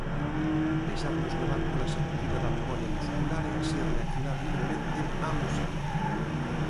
Deixarnos levar pola sacudida da memoria muscular e así reaccionar libremente á música.